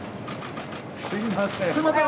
すみません。